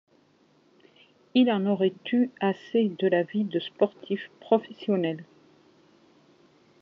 Il en aurait eu assez de la vie de sportif professionnel.